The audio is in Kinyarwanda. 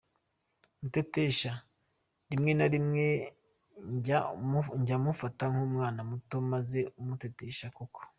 Muteteshe: Rimwe na rimwe jya umufata nk’umwana muto maze umuteteshe koko.